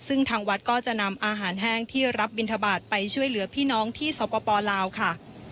ซึ่งทางวัดก็จะนำอาหารแห้งที่รับบินทบาทไปช่วยเหลือพี่น้องที่สปลาวค่ะ